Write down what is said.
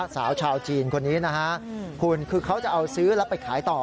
สาวชาวจีนคนนี้นะฮะคุณคือเขาจะเอาซื้อแล้วไปขายต่อ